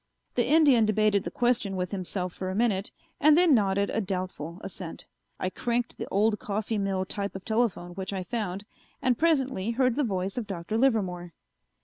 The Indian debated the question with himself for a minute and then nodded a doubtful assent. I cranked the old coffee mill type of telephone which I found, and presently heard the voice of Dr. Livermore.